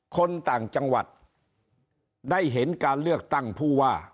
คนต่างจังหวัดได้เห็นการเลือกตั้งผู้ว่า